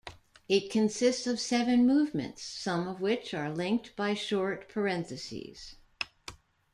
It consists of seven movements, some of which are linked by short "parentheses".